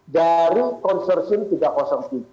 dari konsersim tiga ratus empat